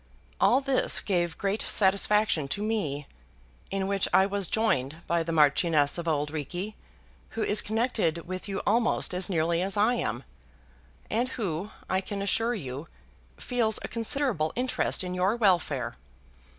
All this gave great satisfaction to me, in which I was joined by the Marchioness of Auld Reekie, who is connected with you almost as nearly as I am, and who, I can assure you, feels a considerable interest in your welfare.